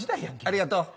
ありがとう。